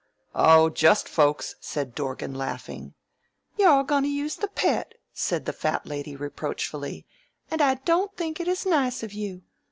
"Oh, just folks!" said Dorgan, laughing. "You're goin' to use the Pet," said the Fat Lady reproachfully, "and I don't think it is nice of you.